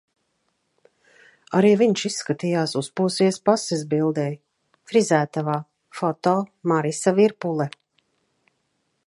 Arī viņš izskatījās uzposies pases bildei. Frizētavā. Foto: Marisa Vipule